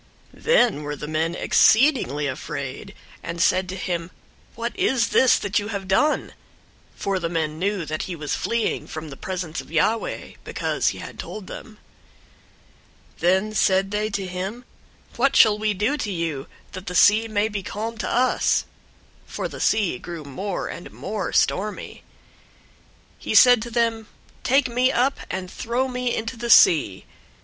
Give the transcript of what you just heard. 001:010 Then were the men exceedingly afraid, and said to him, "What is this that you have done?" For the men knew that he was fleeing from the presence of Yahweh, because he had told them. 001:011 Then said they to him, "What shall we do to you, that the sea may be calm to us?" For the sea grew more and more stormy. 001:012 He said to them, "Take me up, and throw me into the sea.